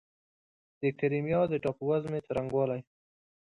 د کریمیا د ټاپووزمې څرنګوالی